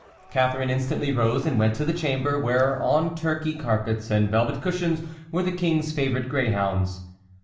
Catharine instantly rose and went to the chamber, where on Turkey carpets and velvet cushions were the King's favorite greyhounds.